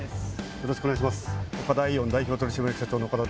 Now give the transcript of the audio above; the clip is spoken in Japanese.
よろしくお願いします